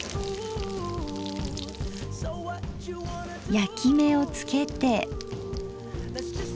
焼き目をつけて。